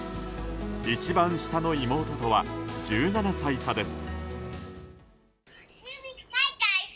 一番下の妹とは１７歳差です。